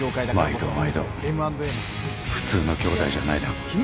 毎度毎度普通の兄弟じゃないな。